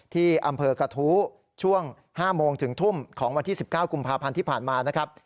ที่อำเภอกระทู้ช่วง๕โมงถึงทุ่มของวันที่๑๙กุมภาพันธ์ที่ผ่านมานะครับ